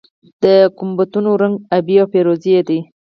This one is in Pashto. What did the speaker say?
د ګنبدونو رنګونه ابي او فیروزه یي دي.